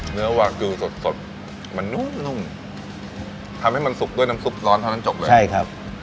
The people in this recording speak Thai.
เนื้อวากิวสดสดมันนุ่มนุ่มทำให้มันสุกด้วยน้ำซุปร้อนเท่านั้นจบเลยใช่ครับ